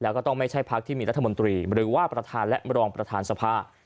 แล้วก็ต้องไม่ใช่พักที่มีรัฐมนตรีหรือว่าประธานและรองประธานสภา